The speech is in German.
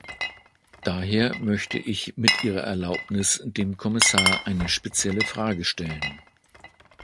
Daher möchte ich mit Ihrer Erlaubnis dem Kommissar eine spezielle Frage stellen.